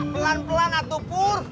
pelan pelan atu pur